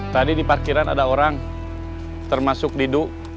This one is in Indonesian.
tadi di parkiran ada orang termasuk didu